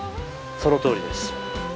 そのとおりです。